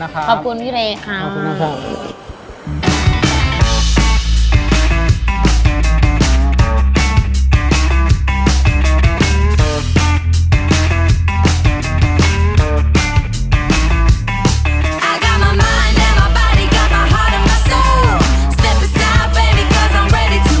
ขอบคุณพี่เรย์ค่ะ